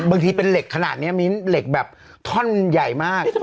บางทีเป็นเหล็กขนาดนี้มิ้นเหล็กแบบท่อนใหญ่มาก